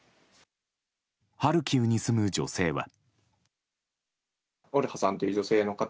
ハルキウに住む女性は。